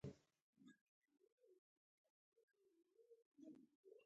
د فصل د ودې پړاوونه باید وڅارل شي.